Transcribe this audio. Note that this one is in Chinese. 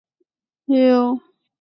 他入行多年多演绎配角为主。